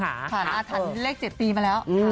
ผ่านมาทันเลข๗ปีไปแล้ว